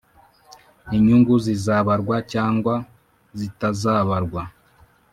inyungu zizabarwa cyangwa zitazabarwa